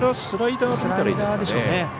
スライダーでしょうね。